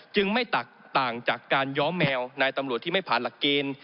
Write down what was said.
ไม่ต่างจากการย้อมแมวนายตำรวจที่ไม่ผ่านหลักเกณฑ์